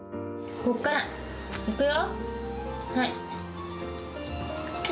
ここから行くよ。